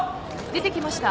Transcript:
出てきました。